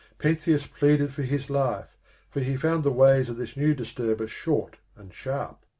Pentheus pleaded for his life, for he found the ways of this new disturber short and sharp.